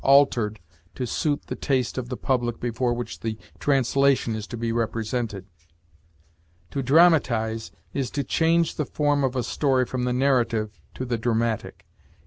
altered to suit the taste of the public before which the translation is to be represented. To dramatize is to change the form of a story from the narrative to the dramatic; i. e.